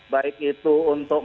baik itu untuk